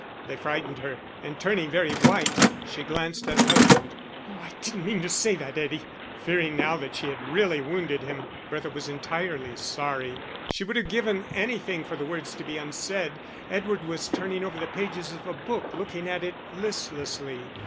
They frightened her, and turning very white, she glanced at her husband. "Oh, I didn't mean to say that, Eddie." Fearing now that she had really wounded him, Bertha was entirely sorry; she would have given anything for the words to be unsaid. Edward was turning over the pages of a book, looking at it listlessly.